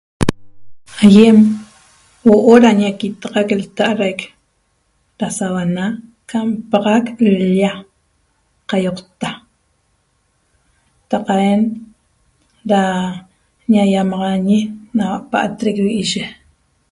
Aýem huo'o da ñaquitaxac lta'adaic da sauana ca n'paxac l-lla qaýoqta taqa'en da ýaýamaxañi naua pa'atrec vi'iye